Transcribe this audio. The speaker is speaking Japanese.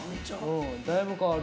うんだいぶ変わる。